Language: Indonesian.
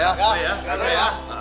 iya tinggal ya